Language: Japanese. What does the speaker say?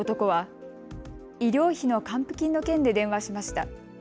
男は医療費の還付金の件で電話しました。